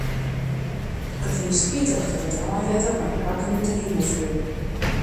It wie spitich dat it reinwetter mei bakken út 'e himel foel.